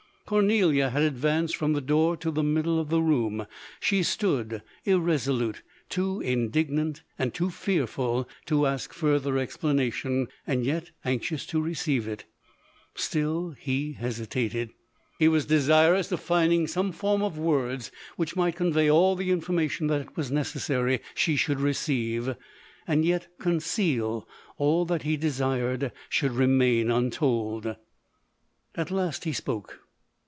Cornelia had ad vanced from the door to the middle of the room; she stood irresolute, too indignant and too fearful to ask further explanation, yet anxious to receive it. Still he hesitated. He was desirous of finding some form of woi\U which might convey all the information that it was necessary she should receive, and yet con ceal all that he desired should remain untold. At last he spoke.